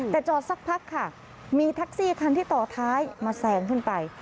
แต่จอดสักพักค่ะมีแท็กซี่คันที่ต่อท้ายมาแซงขึ้นไป